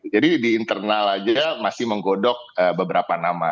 jadi di internal aja masih menggodok beberapa nama